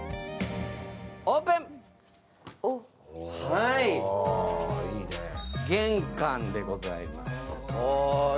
オープン、玄関でございます